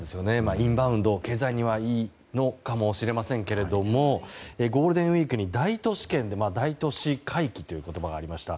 インバウンド、経済にはいいのかもしれませんけれどもゴールデンウィークに大都市圏で大都市回帰という言葉がありました。